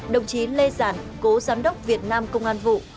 đồng chí lê giản cố giám đốc việt nam công an vụ